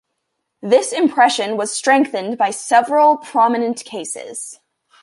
This impression was strengthened by several prominent cases.